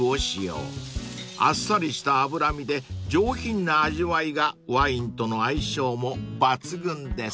［あっさりした脂身で上品な味わいがワインとの相性も抜群です］